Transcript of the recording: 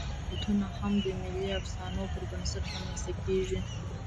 دولتونه هم د ملي افسانو پر بنسټ رامنځ ته کېږي.